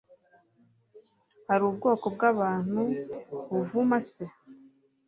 hari ubwoko bw'abantu buvuma se